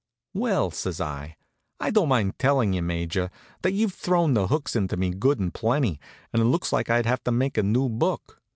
"Well," says I, "I don't mind telling you, Major, that you've thrown the hooks into me good an' plenty, and it looks like I'd have to make a new book.